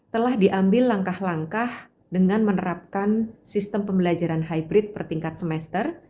telah diambil langkah langkah dengan menerapkan sistem pembelajaran hybrid bertingkat semester